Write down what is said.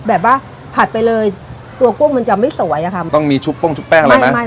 แบบว่าผัดไปเลยตัวกุ้งมันจะไม่สวยอะค่ะมันต้องมีชุบป้งชุบแป้งอะไรไหมไม่